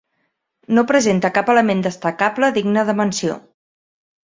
No presenta cap element destacable digne de menció.